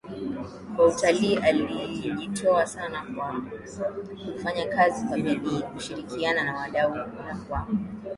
wa utalii Alijitoa sana kwa kufanya kazi kwa bidii kushirikiana na wadau na kwa